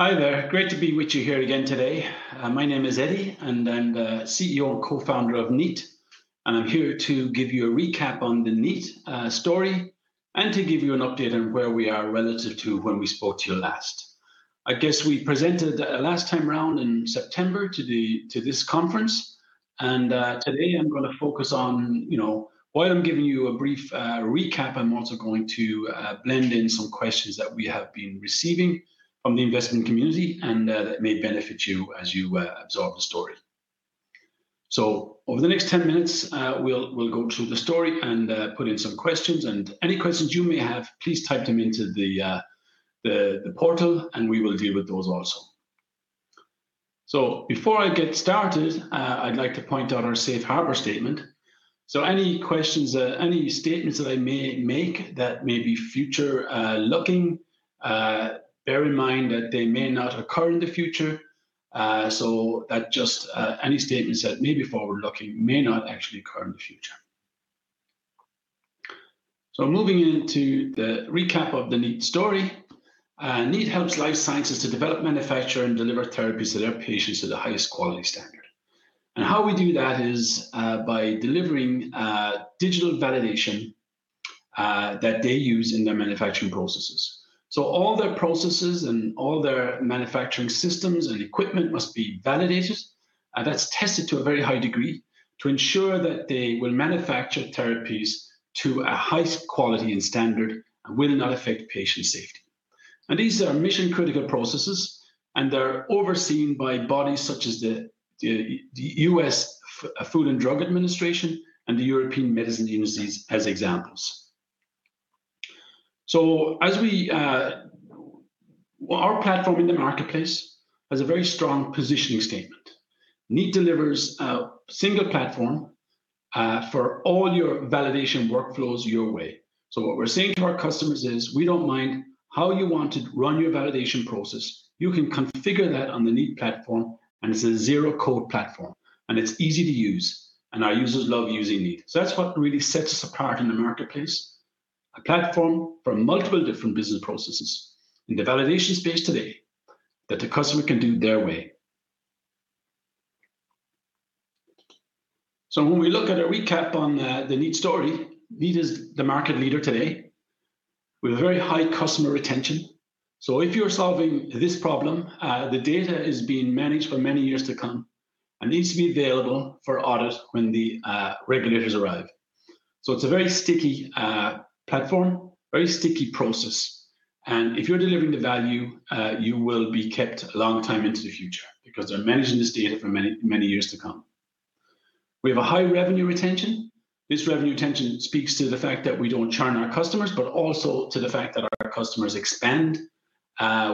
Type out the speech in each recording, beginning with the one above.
Hi there. Great to be with you here again today. My name is Eddie, and I'm the CEO and Co-founder of Kneat. I'm here to give you a recap on the Kneat story and to give you an update on where we are relative to when we spoke to you last. I guess we presented last time around in September to this conference. Today, I'm going to focus on, while I'm giving you a brief recap, I'm also going to blend in some questions that we have been receiving from the investment community and that may benefit you as you absorb the story. So over the next 10 minutes, we'll go through the story and put in some questions. Any questions you may have, please type them into the portal, and we will deal with those also. Before I get started, I'd like to point out our safe harbor statement. Any questions, any statements that I may make that may be future-looking, bear in mind that they may not occur in the future. That just any statements that may be forward-looking may not actually occur in the future. Moving into the recap of the Kneat story, Kneat helps life sciences to develop, manufacture, and deliver therapies to their patients to the highest quality standard. How we do that is by delivering digital validation that they use in their manufacturing processes. All their processes and all their manufacturing systems and equipment must be validated, and that's tested to a very high degree to ensure that they will manufacture therapies to a high quality and standard and will not affect patient safety. And these are mission-critical processes, and they're overseen by bodies such as the U.S. Food and Drug Administration and the European Medicines Agency as examples. So our platform in the marketplace has a very strong positioning statement. Kneat delivers a single platform for all your validation workflows your way. So what we're saying to our customers is, we don't mind how you want to run your validation process. You can configure that on the Kneat platform, and it's a zero-code platform, and it's easy to use, and our users love using Kneat. So that's what really sets us apart in the marketplace, a platform for multiple different business processes in the validation space today that the customer can do their way. So when we look at a recap on the Kneat story, Kneat is the market leader today with very high customer retention. So if you're solving this problem, the data is being managed for many years to come and needs to be available for audit when the regulators arrive. So it's a very sticky platform, very sticky process. And if you're delivering the value, you will be kept a long time into the future because they're managing this data for many, many years to come. We have a high revenue retention. This revenue retention speaks to the fact that we don't churn our customers, but also to the fact that our customers expand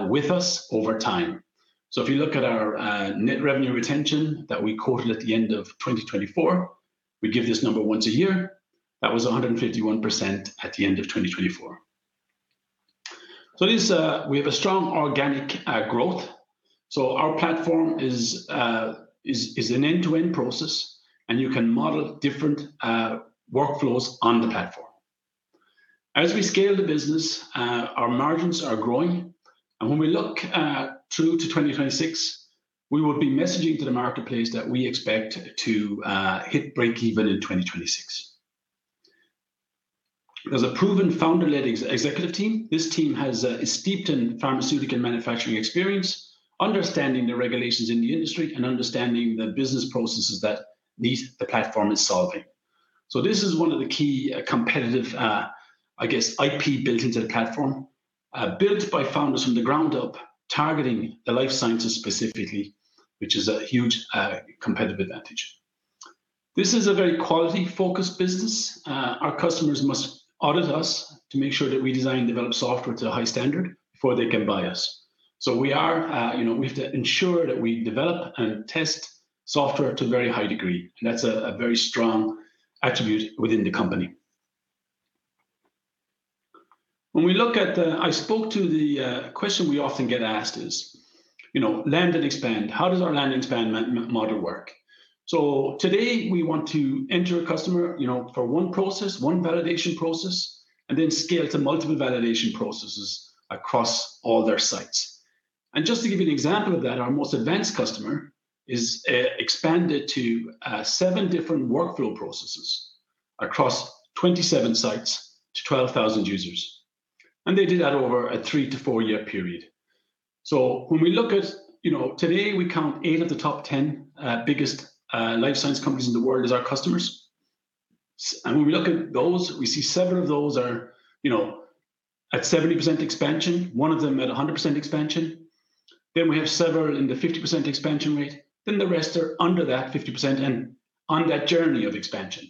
with us over time. So if you look at our net revenue retention that we quartered at the end of 2024, we give this number once a year. That was 151% at the end of 2024. So we have a strong organic growth. So our platform is an end-to-end process, and you can model different workflows on the platform. As we scale the business, our margins are growing. And when we look through to 2026, we will be messaging to the marketplace that we expect to hit break-even in 2026. There's a proven founder-led executive team. This team has a steeped in pharmaceutical manufacturing experience, understanding the regulations in the industry, and understanding the business processes that the platform is solving. So this is one of the key competitive, I guess, IP built into the platform, built by founders from the ground up, targeting the life sciences specifically, which is a huge competitive advantage. This is a very quality-focused business. Our customers must audit us to make sure that we design and develop software to a high standard before they can buy us. So we have to ensure that we develop and test software to a very high degree. And that's a very strong attribute within the company. When we look at the question we often get asked is, land and expand, how does our land and expand model work? So today, we want to enter a customer for one process, one validation process, and then scale to multiple validation processes across all their sites. And just to give you an example of that, our most advanced customer is expanded to seven different workflow processes across 27 sites to 12,000 users. And they did that over a three- to four-year period. So when we look at today, we count eight of the top 10 biggest life science companies in the world as our customers. And when we look at those, we see several of those are at 70% expansion, one of them at 100% expansion. Then we have several in the 50% expansion rate. Then the rest are under that 50% and on that journey of expansion.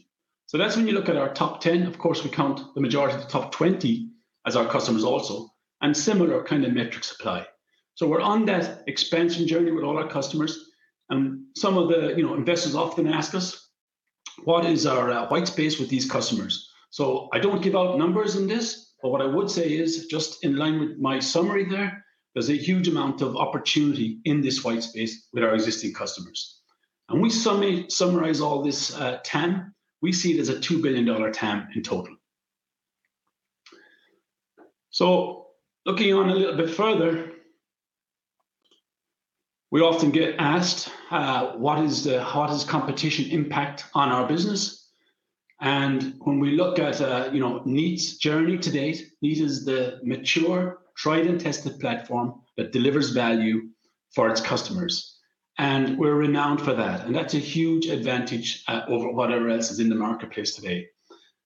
So that's when you look at our top 10. Of course, we count the majority of the top 20 as our customers also, and similar kind of metrics apply. So we're on that expansion journey with all our customers. And some of the investors often ask us, what is our white space with these customers? So I don't give out numbers in this, but what I would say is just in line with my summary there, there's a huge amount of opportunity in this white space with our existing customers. And we summarize all this TAM. We see it as a $2 billion TAM in total. So looking on a little bit further, we often get asked, what is the hottest competition impact on our business? When we look at Kneat's journey to date, Kneat is the mature, tried, and tested platform that delivers value for its customers. We're renowned for that. That's a huge advantage over whatever else is in the marketplace today.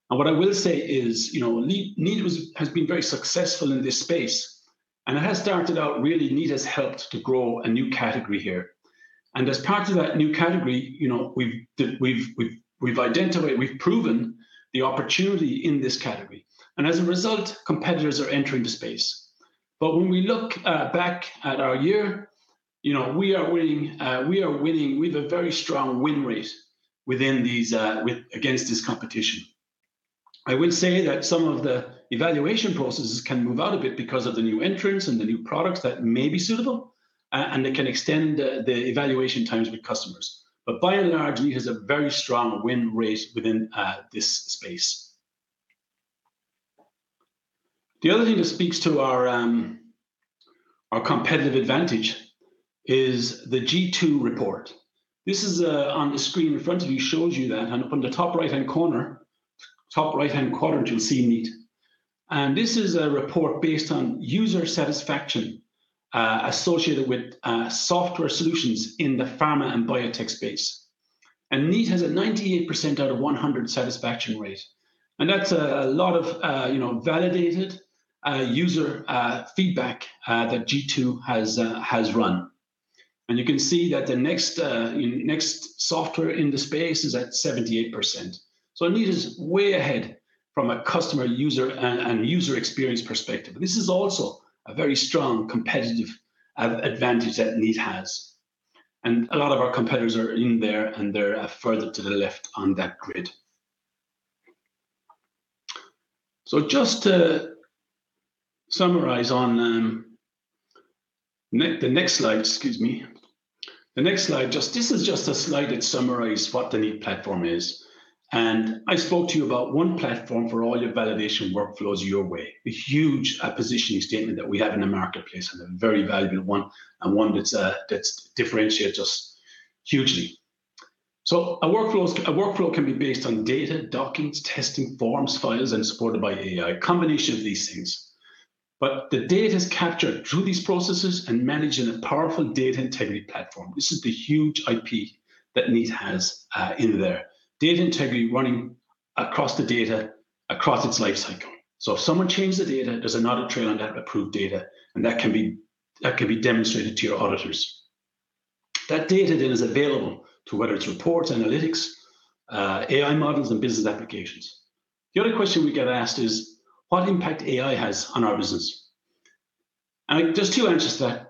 What I will say is Kneat has been very successful in this space. It has started out. Really, Kneat has helped to grow a new category here. As part of that new category, we've identified. We've proven the opportunity in this category. As a result, competitors are entering the space. When we look back at our year, we are winning. We have a very strong win rate against this competition. I would say that some of the evaluation processes can move out a bit because of the new entrants and the new products that may be suitable, and they can extend the evaluation times with customers. But by and large, Kneat has a very strong win rate within this space. The other thing that speaks to our competitive advantage is the G2 report. This is on the screen in front of you, shows you that on the top right-hand corner, top right-hand quadrant, you'll see Kneat. And this is a report based on user satisfaction associated with software solutions in the pharma and biotech space. And Kneat has a 98% out of 100 satisfaction rate. And that's a lot of validated user feedback that G2 has run. And you can see that the next software in the space is at 78%. So Kneat is way ahead from a customer user and user experience perspective. This is also a very strong competitive advantage that Kneat has. And a lot of our competitors are in there, and they're further to the left on that grid. So just to summarize on the next slide, excuse me. The next slide, this is just a slide that summarizes what the Kneat platform is. And I spoke to you about one platform for all your validation workflows your way, a huge positioning statement that we have in the marketplace and a very valuable one and one that differentiates us hugely. So a workflow can be based on data, documents, testing forms, files, and supported by AI, a combination of these things. But the data is captured through these processes and managed in a powerful data integrity platform. This is the huge IP that Kneat has in there, data integrity running across the data across its lifecycle. So if someone changes the data, there's an audit trail on that approved data, and that can be demonstrated to your auditors. That data then is available to whether it's reports, analytics, AI models, and business applications. The other question we get asked is, what impact AI has on our business? And there's two answers to that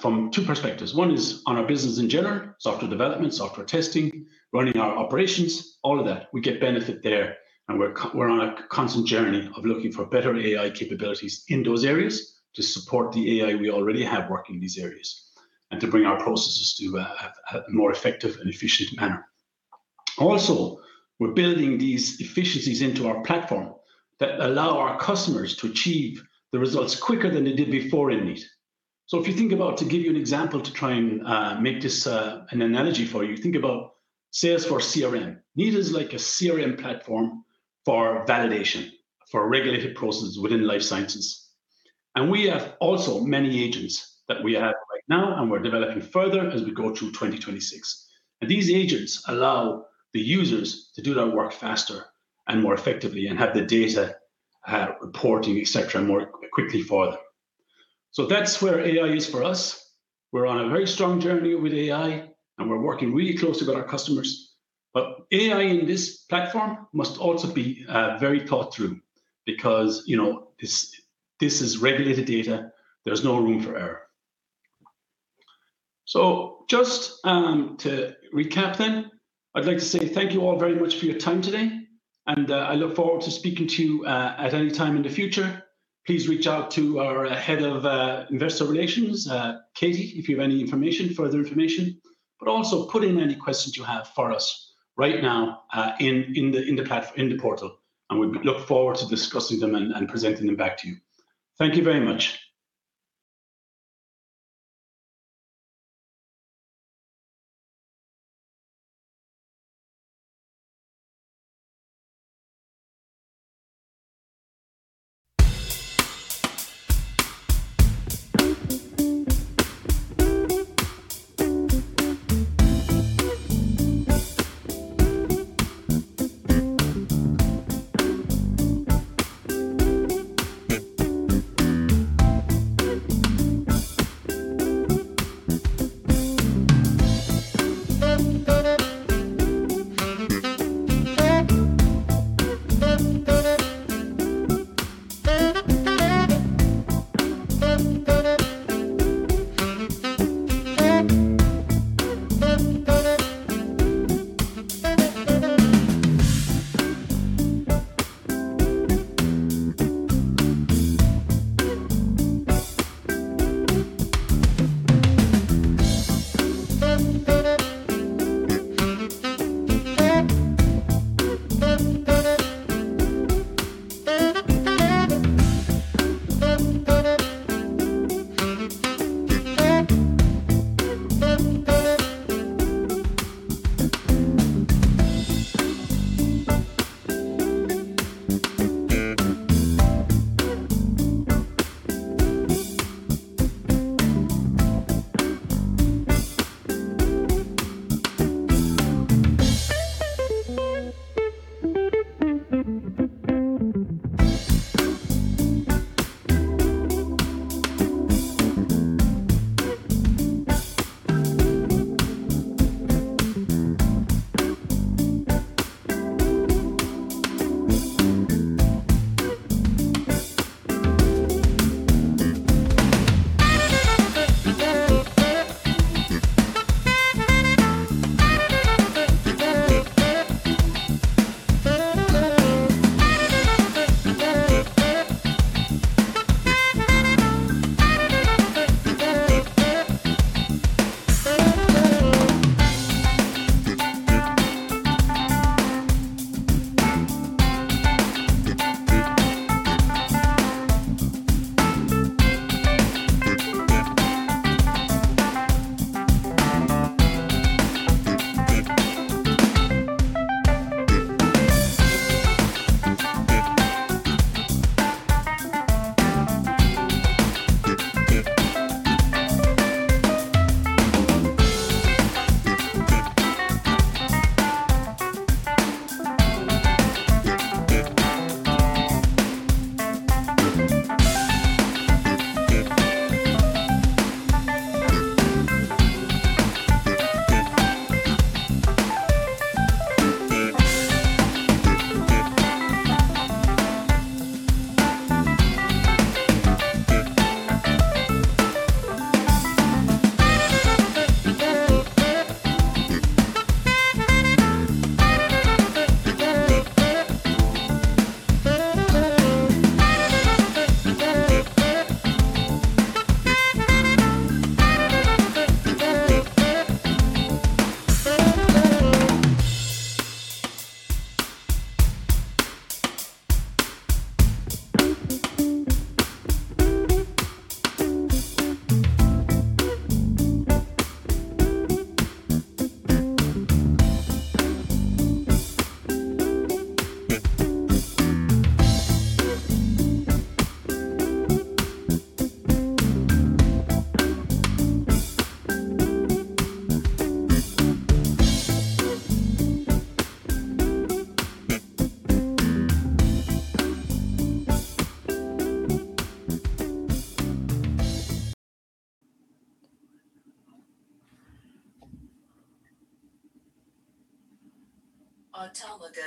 from two perspectives. One is on our business in general, software development, software testing, running our operations, all of that. We get benefit there, and we're on a constant journey of looking for better AI capabilities in those areas to support the AI we already have working in these areas and to bring our processes to a more effective and efficient manner. Also, we're building these efficiencies into our platform that allow our customers to achieve the results quicker than they did before in Kneat, so if you think about, to give you an example to try and make this an analogy for you, think about Salesforce CRM. Kneat is like a CRM platform for validation for regulated processes within life sciences, and we have also many agents that we have right now, and we're developing further as we go through 2026, and these agents allow the users to do their work faster and more effectively and have the data reporting, etc., more quickly for them, so that's where AI is for us. We're on a very strong journey with AI, and we're working really closely with our customers, but AI in this platform must also be very thought through because this is regulated data. There's no room for error. So just to recap then, I'd like to say thank you all very much for your time today. And I look forward to speaking to you at any time in the future. Please reach out to our head of investor relations, Katie, if you have any information, further information, but also put in any questions you have for us right now in the portal. And we look forward to discussing them and presenting them back to you. Thank you very much.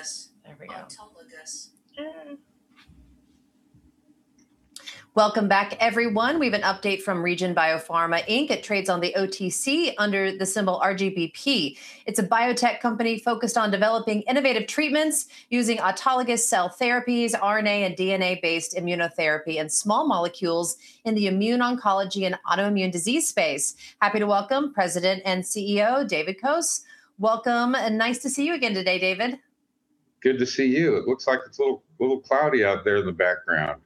Autologous. There we go. Autologous. Welcome back, everyone. We have an update from Regen BioPharma Inc. It trades on the OTC under the symbol RGBP. It's a biotech company focused on developing innovative treatments using autologous cell therapies, RNA and DNA-based immunotherapy, and small molecules in the immune oncology and autoimmune disease space. Happy to welcome President and CEO David Koos. Welcome, and nice to see you again today, David. Good to see you. It looks like it's a little cloudy out there in the background.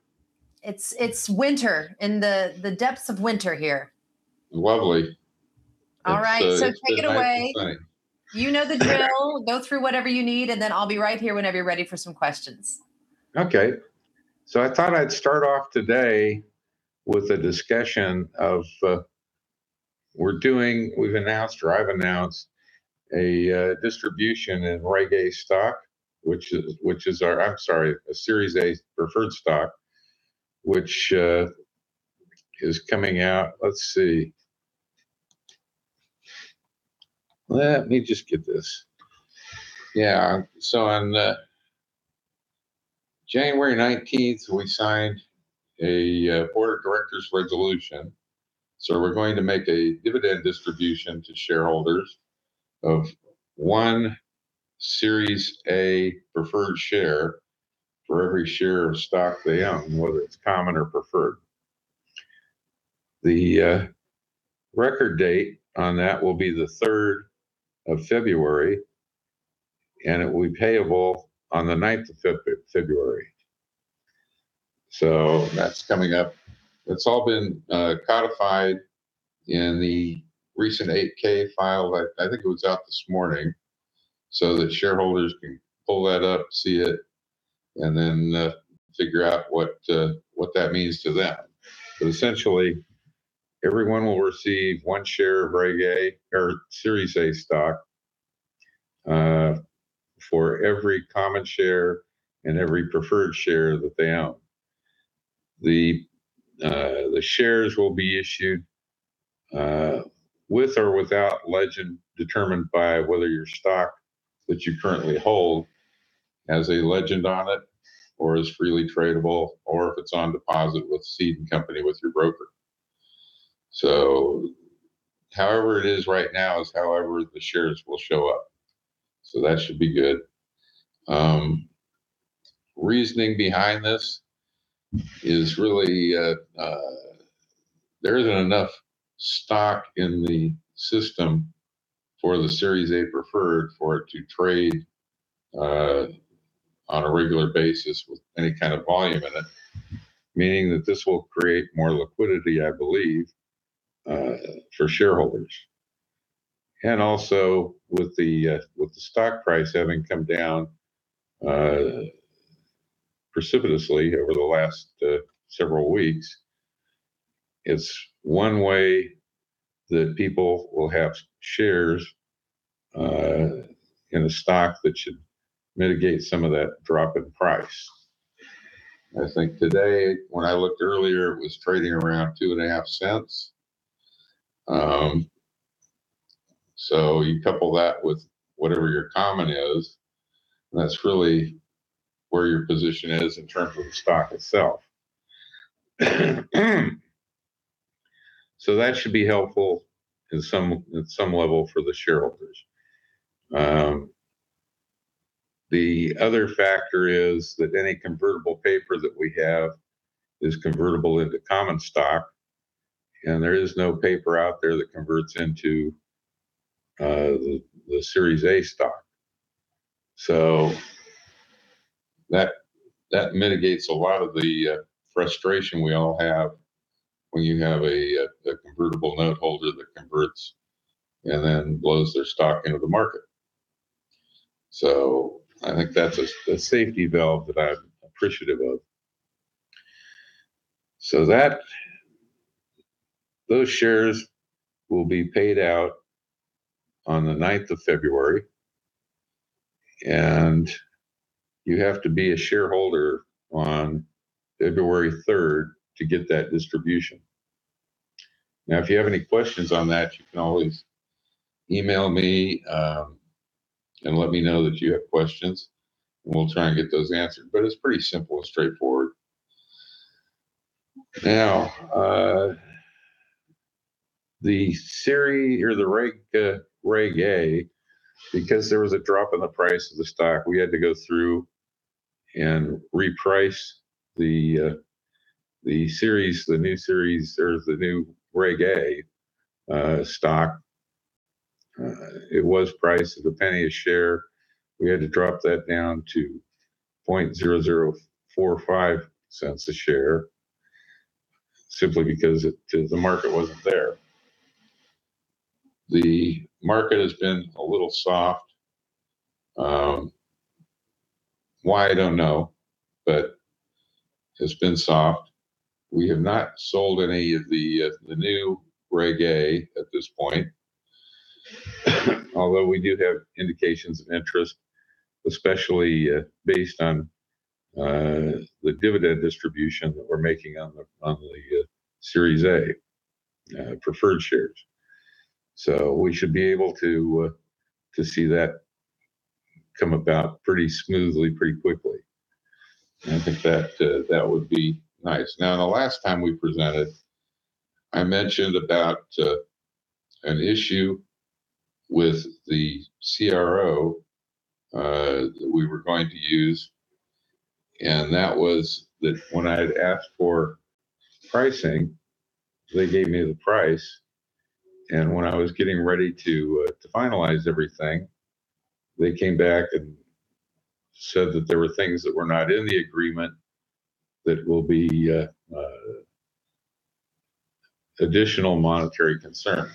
It's winter in the depths of winter here. Lovely. All right, so take it away. You know the drill. Go through whatever you need, and then I'll be right here whenever you're ready for some questions. OK. So I thought I'd start off today with a discussion of what we're doing. We've announced, or I've announced, a distribution in Reg A stock, which is our. I'm sorry, a Series A preferred stock, which is coming out. Let's see. Let me just get this. Yeah. So on January 19, we signed a board of directors resolution. So we're going to make a dividend distribution to shareholders of one Series A preferred share for every share of stock they own, whether it's common or preferred. The record date on that will be the 3rd of February, and it will be payable on the 9th of February. So that's coming up. It's all been codified in the recent 8-K file. I think it was out this morning so that shareholders can pull that up, see it, and then figure out what that means to them. But essentially, everyone will receive one share of Reg A or Series A stock for every common share and every preferred share that they own. The shares will be issued with or without legend determined by whether your stock that you currently hold has a legend on it or is freely tradable, or if it's on deposit with Cede & Co. with your broker. So however it is right now is however the shares will show up. So that should be good. Reasoning behind this is really there isn't enough stock in the system for the Series A preferred for it to trade on a regular basis with any kind of volume in it, meaning that this will create more liquidity, I believe, for shareholders, and also with the stock price having come down precipitously over the last several weeks, it's one way that people will have shares in a stock that should mitigate some of that drop in price. I think today, when I looked earlier, it was trading around $0.025. So you couple that with whatever your common is, and that's really where your position is in terms of the stock itself. So that should be helpful at some level for the shareholders. The other factor is that any convertible paper that we have is convertible into common stock, and there is no paper out there that converts into the Series A stock. So that mitigates a lot of the frustration we all have when you have a convertible noteholder that converts and then blows their stock into the market. So I think that's a safety valve that I'm appreciative of. So those shares will be paid out on the 9th of February, and you have to be a shareholder on February 3rd to get that distribution. Now, if you have any questions on that, you can always email me and let me know that you have questions, and we'll try and get those answered. But it's pretty simple and straightforward. Now, the Reg A, because there was a drop in the price of the stock, we had to go through and reprice the series, the new series or the new Reg A stock. It was priced at $0.01 a share. We had to drop that down to $0.000045 a share simply because the market wasn't there. The market has been a little soft. Why? I don't know, but it's been soft. We have not sold any of the new Reg A at this point, although we do have indications of interest, especially based on the dividend distribution that we're making on the Series A preferred shares. So we should be able to see that come about pretty smoothly, pretty quickly. I think that would be nice. Now, the last time we presented, I mentioned about an issue with the CRO that we were going to use, and that was that when I had asked for pricing, they gave me the price. And when I was getting ready to finalize everything, they came back and said that there were things that were not in the agreement that will be additional monetary concern,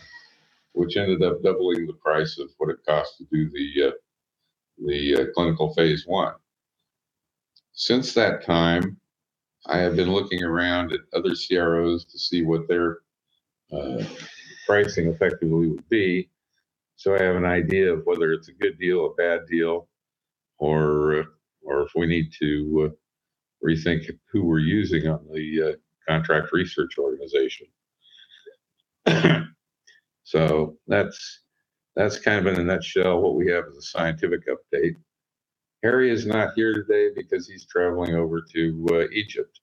which ended up doubling the price of what it cost to do the clinical phase 1. Since that time, I have been looking around at other CROs to see what their pricing effectively would be. So I have an idea of whether it's a good deal, a bad deal, or if we need to rethink who we're using on the contract research organization. So that's kind of, in a nutshell, what we have as a scientific update. Harry is not here today because he's traveling over to Egypt.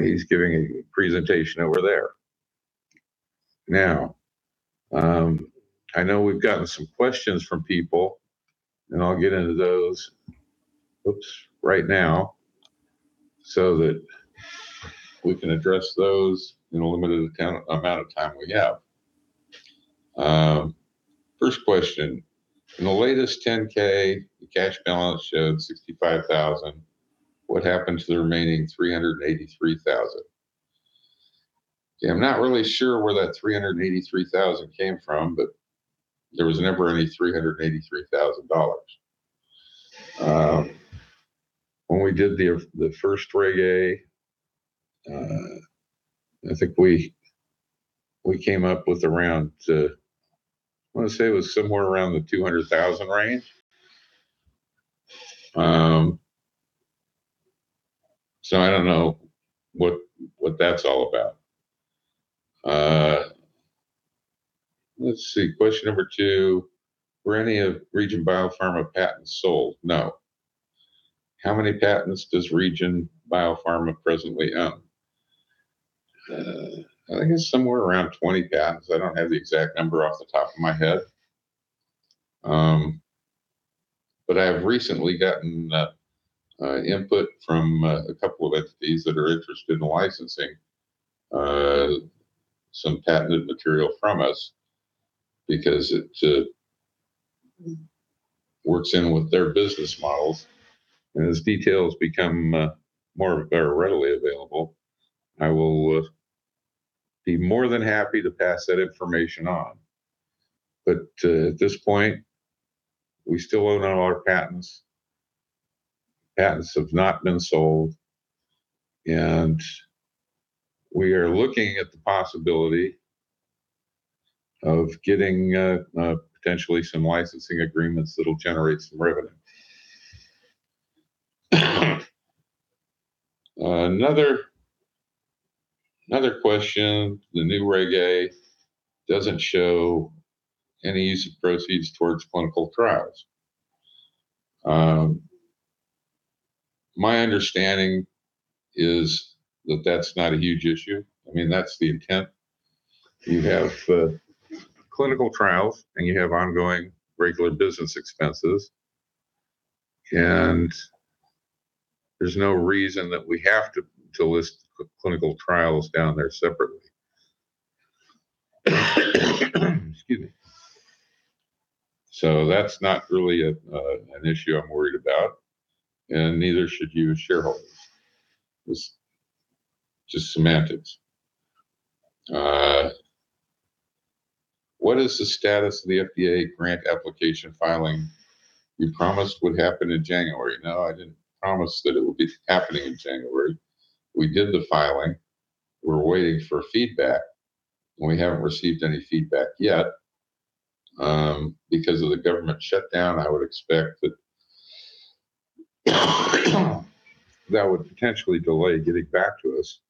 He's giving a presentation over there. Now, I know we've gotten some questions from people, and I'll get into those right now so that we can address those in a limited amount of time we have. First question. In the latest 10-K, the cash balance showed $65,000. What happened to the remaining $383,000? Yeah, I'm not really sure where that $383,000 came from, but there was never any $383,000. When we did the first Reg A, I think we came up with around, I want to say it was somewhere around the $200,000 range. So I don't know what that's all about. Let's see. Question number two. Were any of Regen BioPharma patents sold? No. How many patents does Regen BioPharma presently own? I guess somewhere around 20 patents. I don't have the exact number off the top of my head. But I have recently gotten input from a couple of entities that are interested in licensing some patented material from us because it works in with their business models. And as details become more readily available, I will be more than happy to pass that information on. But at this point, we still own all our patents. Patents have not been sold, and we are looking at the possibility of getting potentially some licensing agreements that will generate some revenue. Another question. The new Reg A doesn't show any use of proceeds towards clinical trials. My understanding is that that's not a huge issue. I mean, that's the intent. You have clinical trials, and you have ongoing regular business expenses, and there's no reason that we have to list clinical trials down there separately. Excuse me. So that's not really an issue I'm worried about, and neither should you as shareholders. It's just semantics. What is the status of the FDA grant application filing? You promised it would happen in January. No, I didn't promise that it would be happening in January. We did the filing. We're waiting for feedback, and we haven't received any feedback yet. Because of the government shutdown, I would expect that that would potentially delay getting back to us.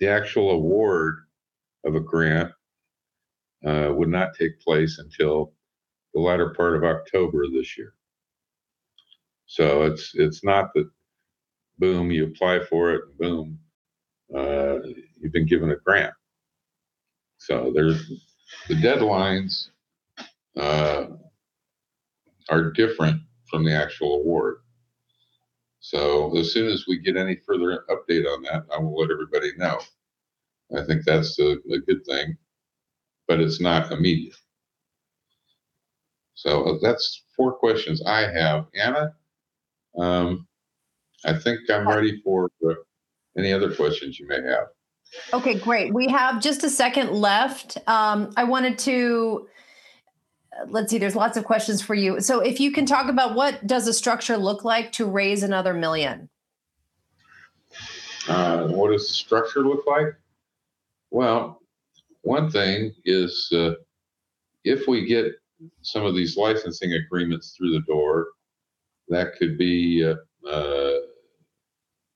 The actual award of a grant would not take place until the latter part of October this year. So it's not that, boom, you apply for it, and boom, you've been given a grant. So the deadlines are different from the actual award. So as soon as we get any further update on that, I will let everybody know. I think that's a good thing, but it's not immediate. So that's four questions I have. Anna, I think I'm ready for any other questions you may have. Okay, great. We have just a second left. I wanted to, let's see. There's lots of questions for you. So if you can talk about what does a structure look like to raise another million? What does the structure look like? Well, one thing is if we get some of these licensing agreements through the door, that could be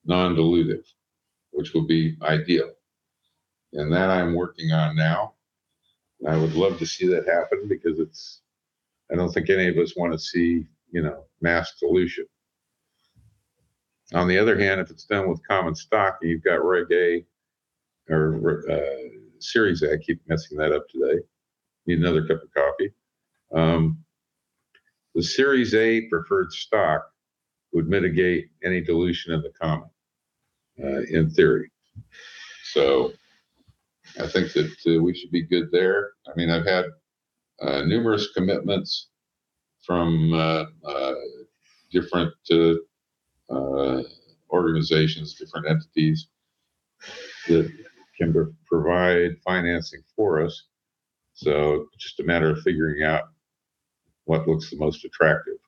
non-dilutive, which would be ideal. And that I'm working on now. I would love to see that happen because I don't think any of us want to see mass dilution. On the other hand, if it's done with common stock and you've got Reg A or Series A, I keep messing that up today. Need another cup of coffee. The Series A preferred stock would mitigate any dilution of the common, in theory. So I think that we should be good there. I mean, I've had numerous commitments from different organizations, different entities that can provide financing for us. So it's just a matter of figuring out what looks the most attractive.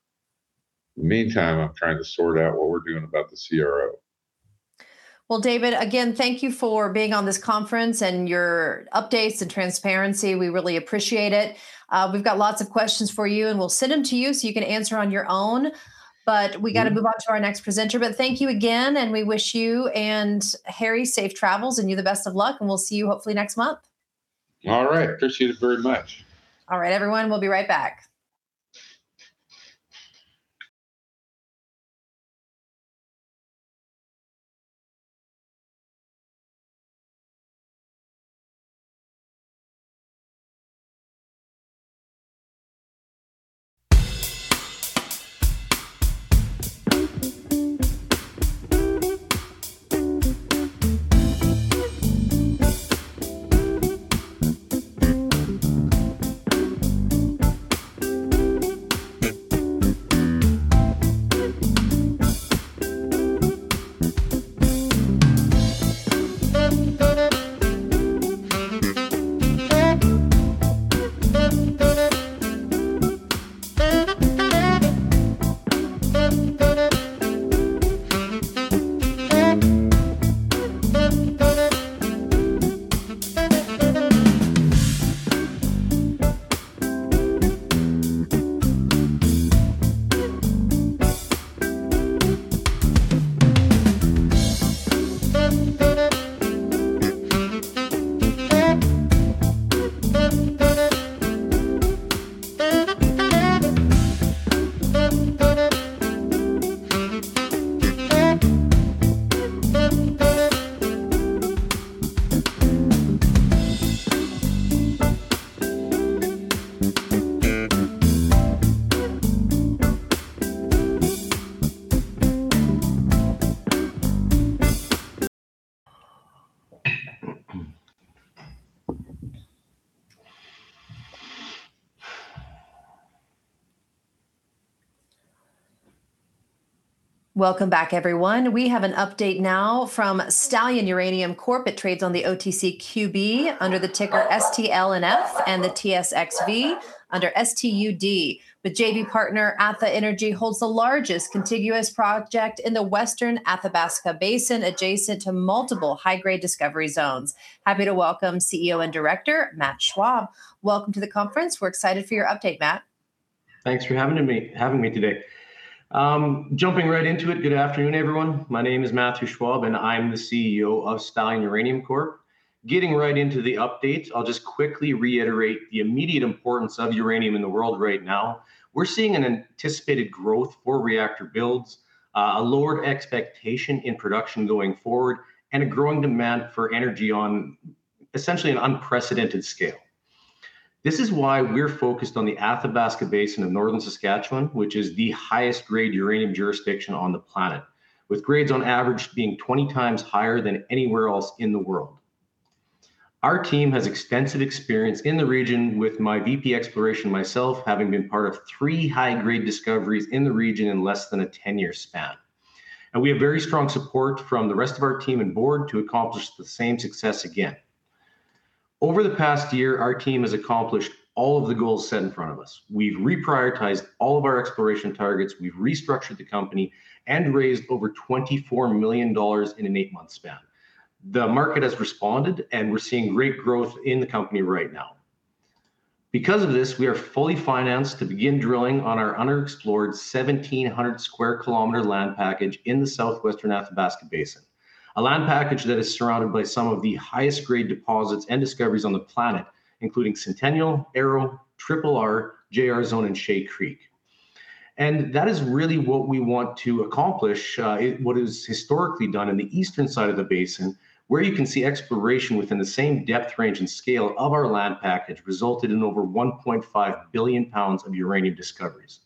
In the meantime, I'm trying to sort out what we're doing about the CRO. Well, David, again, thank you for being on this conference and your updates and transparency. We really appreciate it. We've got lots of questions for you, and we'll send them to you so you can answer on your own. But we got to move on to our next presenter. But thank you again, and we wish you and Harry safe travels, and you the best of luck, and we'll see you hopefully next month. All right. Appreciate it very much. All right, everyone. We'll be right back. Welcome back, everyone. We have an update now from Stallion Uranium Corp. It trades on the OTC QB under the ticker STLNF and the TSXV under STUD. But JV partner, Atha Energy, holds the largest contiguous project in the western Athabasca Basin adjacent to multiple high-grade discovery zones. Happy to welcome CEO and Director Matt Schwab. Welcome to the conference. We're excited for your update, Matt. Thanks for having me today. Jumping right into it. Good afternoon, everyone. My name is Matthew Schwab, and I'm the CEO of Stallion Uranium Corp. Getting right into the update, I'll just quickly reiterate the immediate importance of uranium in the world right now. We're seeing an anticipated growth for reactor builds, a lowered expectation in production going forward, and a growing demand for energy on essentially an unprecedented scale. This is why we're focused on the Athabasca Basin of Northern Saskatchewan, which is the highest-grade uranium jurisdiction on the planet, with grades on average being 20 times higher than anywhere else in the world. Our team has extensive experience in the region, with my VP Exploration myself having been part of three high-grade discoveries in the region in less than a 10-year span. And we have very strong support from the rest of our team and board to accomplish the same success again. Over the past year, our team has accomplished all of the goals set in front of us. We've reprioritized all of our exploration targets. We've restructured the company and raised over 24 million dollars in an eight-month span. The market has responded, and we're seeing great growth in the company right now. Because of this, we are fully financed to begin drilling on our unexplored 1,700 square kilometer land package in the southwestern Athabasca Basin, a land package that is surrounded by some of the highest-grade deposits and discoveries on the planet, including Centennial, Arrow, Triple R, J Zone, and Shea Creek. And that is really what we want to accomplish, what is historically done in the eastern side of the basin, where you can see exploration within the same depth range and scale of our land package resulted in over 1.5 billion pounds of uranium discoveries.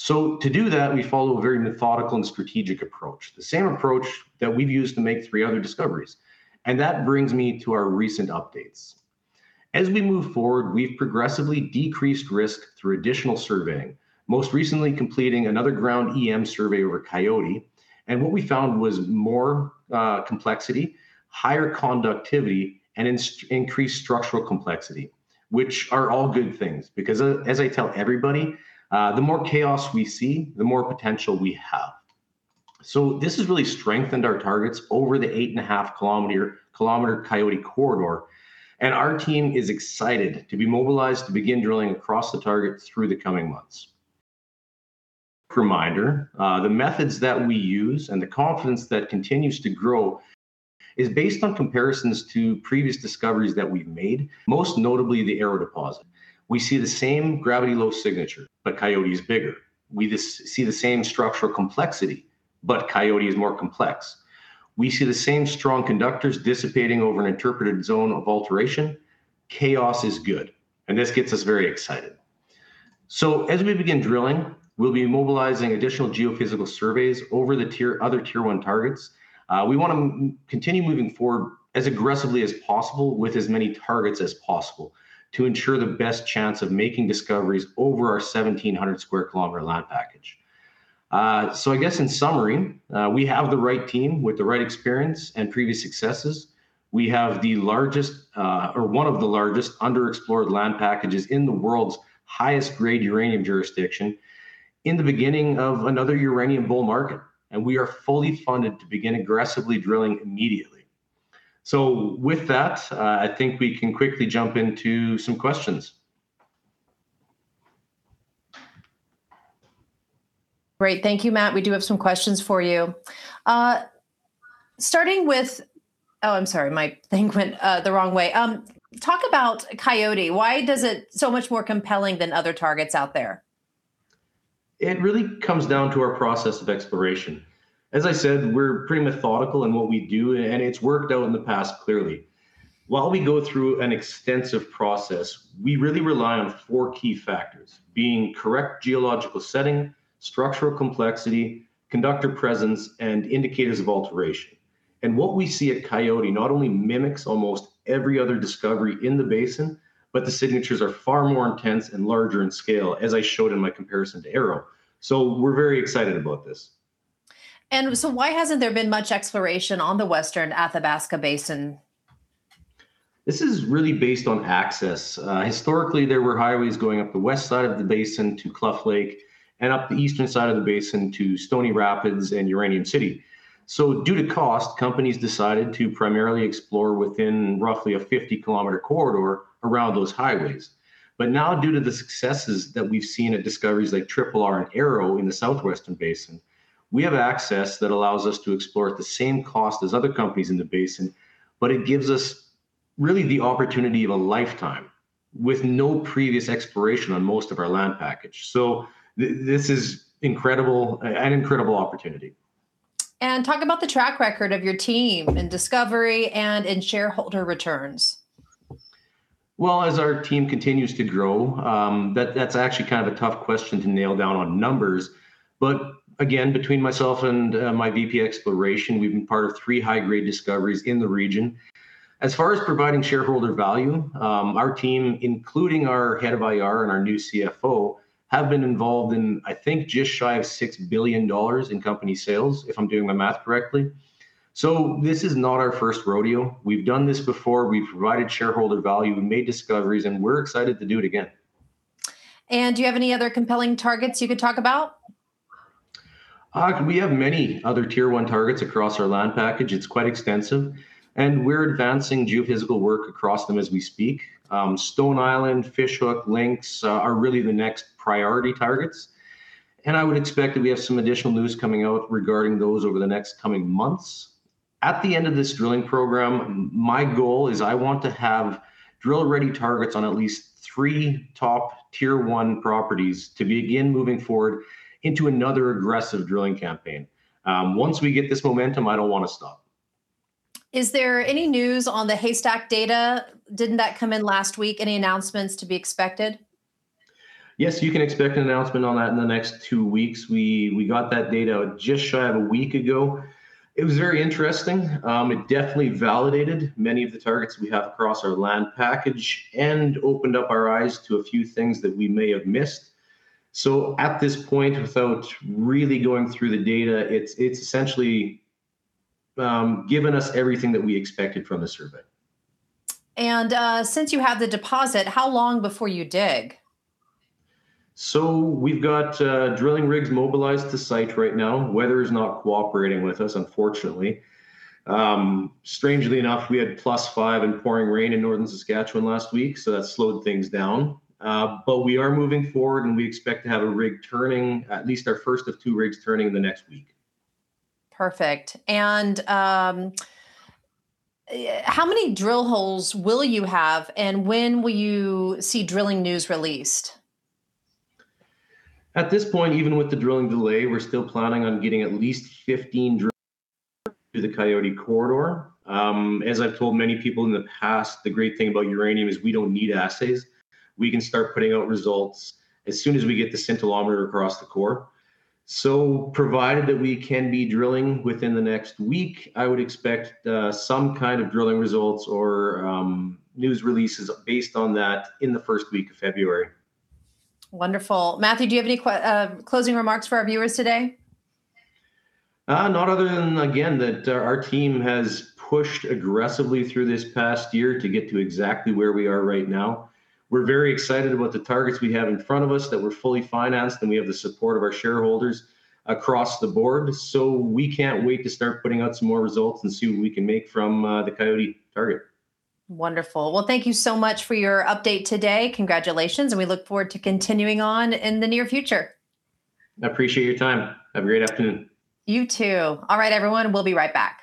So to do that, we follow a very methodical and strategic approach, the same approach that we've used to make three other discoveries. And that brings me to our recent updates. As we move forward, we've progressively decreased risk through additional surveying, most recently completing another ground EM survey over Coyote. And what we found was more complexity, higher conductivity, and increased structural complexity, which are all good things because, as I tell everybody, the more chaos we see, the more potential we have. So this has really strengthened our targets over the 8.5 km Coyote corridor. And our team is excited to be mobilized to begin drilling across the target through the coming months. Reminder, the methods that we use and the confidence that continues to grow is based on comparisons to previous discoveries that we've made, most notably the Arrow deposit. We see the same gravity low signature, but Coyote is bigger. We see the same structural complexity, but Coyote is more complex. We see the same strong conductors dissipating over an interpreted zone of alteration. Chaos is good, and this gets us very excited. So as we begin drilling, we'll be mobilizing additional geophysical surveys over the other Tier I targets. We want to continue moving forward as aggressively as possible with as many targets as possible to ensure the best chance of making discoveries over our 1,700 sq km land package. So I guess in summary, we have the right team with the right experience and previous successes. We have the largest or one of the largest underexplored land packages in the world's highest-grade uranium jurisdiction in the beginning of another uranium bull market, and we are fully funded to begin aggressively drilling immediately. So with that, I think we can quickly jump into some questions. Great. Thank you, Matt. We do have some questions for you. Starting with, oh, I'm sorry, my thing went the wrong way. Talk about Coyote. Why is it so much more compelling than other targets out there? It really comes down to our process of exploration. As I said, we're pretty methodical in what we do, and it's worked out in the past clearly. While we go through an extensive process, we really rely on four key factors being correct geological setting, structural complexity, conductor presence, and indicators of alteration. And what we see at Coyote not only mimics almost every other discovery in the basin, but the signatures are far more intense and larger in scale, as I showed in my comparison to Arrow. So we're very excited about this. And so why hasn't there been much exploration on the western Athabasca Basin? This is really based on access. Historically, there were highways going up the west side of the basin to Cluff Lake and up the eastern side of the basin to Stony Rapids and Uranium City. So due to cost, companies decided to primarily explore within roughly a 50-km corridor around those highways. But now, due to the successes that we've seen at discoveries like Triple R and Arrow in the southwestern basin, we have access that allows us to explore at the same cost as other companies in the basin, but it gives us really the opportunity of a lifetime with no previous exploration on most of our land package. So this is an incredible opportunity. And talk about the track record of your team in discovery and in shareholder returns. Well, as our team continues to grow, that's actually kind of a tough question to nail down on numbers. But again, between myself and my VP Exploration, we've been part of three high-grade discoveries in the region. As far as providing shareholder value, our team, including our head of IR and our new CFO, have been involved in, I think, just shy of $6 billion in company sales, if I'm doing my math correctly. So this is not our first rodeo. We've done this before. We've provided shareholder value. We've made discoveries, and we're excited to do it again. And do you have any other compelling targets you could talk about? We have many other Tier I targets across our land package. It's quite extensive. And we're advancing geophysical work across them as we speak. Stone Island, Fishhook, Lynx are really the next priority targets. And I would expect that we have some additional news coming out regarding those over the next coming months. At the end of this drilling program, my goal is I want to have drill-ready targets on at least three top Tier I properties to begin moving forward into another aggressive drilling campaign. Once we get this momentum, I don't want to stop. Is there any news on the Haystack data? Didn't that come in last week? Any announcements to be expected? Yes, you can expect an announcement on that in the next two weeks. We got that data just shy of a week ago. It was very interesting. It definitely validated many of the targets we have across our land package and opened up our eyes to a few things that we may have missed. So at this point, without really going through the data, it's essentially given us everything that we expected from the survey. And since you have the deposit, how long before you dig? We've got drilling rigs mobilized to site right now. Weather is not cooperating with us, unfortunately. Strangely enough, we had plus five and pouring rain in Northern Saskatchewan last week, so that slowed things down. But we are moving forward, and we expect to have a rig turning, at least our first of two rigs turning next week. Perfect. And how many drill holes will you have, and when will you see drilling news released? At this point, even with the drilling delay, we're still planning on getting at least 15 through the Coyote corridor. As I've told many people in the past, the great thing about uranium is we don't need assays. We can start putting out results as soon as we get the scintillometer across the core. So provided that we can be drilling within the next week, I would expect some kind of drilling results or news releases based on that in the first week of February. Wonderful. Matthew, do you have any closing remarks for our viewers today? Not other than, again, that our team has pushed aggressively through this past year to get to exactly where we are right now. We're very excited about the targets we have in front of us, that we're fully financed, and we have the support of our shareholders across the board. So we can't wait to start putting out some more results and see wh at we can make from the Coyote target. Wonderful. Well, thank you so much for your update today. Congratulations, and we look forward to continuing on in the near future. I appreciate your time. Have a great afternoon. You too. All right, everyone. We'll be right back.